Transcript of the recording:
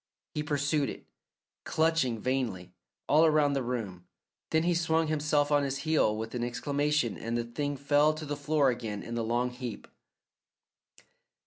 He pursued it, clutching vainly, all around the room, then he swung himself on his heel with an exclamation and the thing fell to the floor again in the long heap.